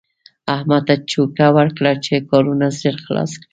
احمد ته چوکه ورکړه چې کارونه ژر خلاص کړي.